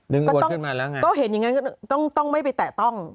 ก็ต้องขึ้นมาแล้วไงก็เห็นอย่างนั้นก็ต้องไม่ไปแตะต้อง